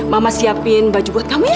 mama siapin baju buat kamu ya